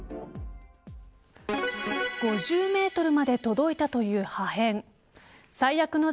５０メートルまで届いたという破片。